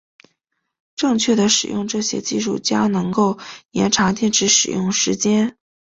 正确的使用这些技术将能够延长电池使用时间。